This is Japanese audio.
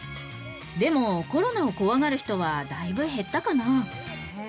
でもコロナを怖がる人はだいぶ減ったかな。